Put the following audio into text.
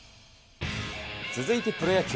続いてプロ野球。